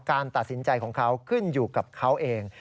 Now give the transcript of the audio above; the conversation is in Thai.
การตัดสินใจของเขาขึ้นอยู่กับเขาเอง